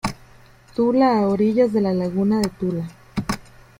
Tula a orillas de la laguna de Tula.